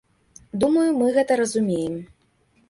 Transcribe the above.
Думаю, мы гэта разумеем.